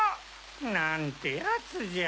なんてやつじゃ。